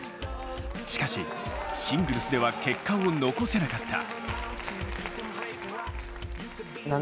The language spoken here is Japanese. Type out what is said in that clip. しかしシングルスでは結果を残せなかった。